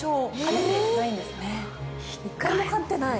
１回も勝ってない！